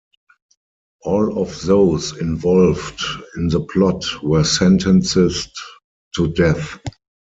All of those involved in the plot were sentenced to death.